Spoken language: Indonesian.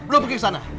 lo pergi ke sana